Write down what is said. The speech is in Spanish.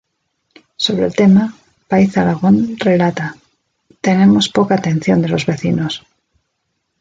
Sobre el tema, Paiz Aragón relata: “…tenemos poca atención de los vecinos.